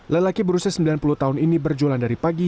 lelaki berusia sembilan puluh tahun ini berjualan dari pagi